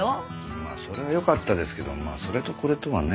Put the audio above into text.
まあそれはよかったですけどそれとこれとはね。